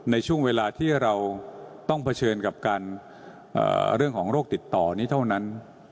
ในช่วงเวลาที่เราต้องเผชิญกับการเรื่องของโรคติดต่อนี้เท่านั้น